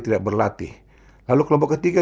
tidak berlatih lalu kelompok ketiga